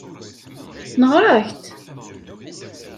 Neɣra-ak-d.